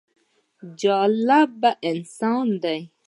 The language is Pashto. جالبه انسان دی.